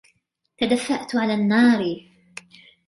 تدفأت علي النار.